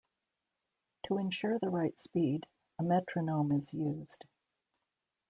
To ensure the right speed, a metronome is used.